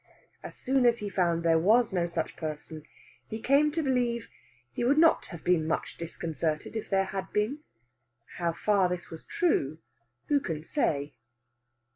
As soon as he found there was no such person he came to believe he would not have been much disconcerted if there had been. How far this was true, who can say?